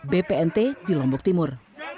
bpnt di lombok timur